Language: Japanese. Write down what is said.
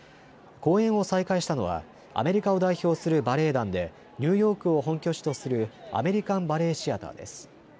公演を再開したのはアメリカを代表するバレエ団でニューヨークを本拠地とするアメリカン・バレエ・シアターです。